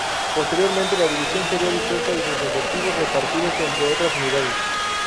Posteriormente, la división sería disuelta y sus efectivos repartidos entre otras unidades.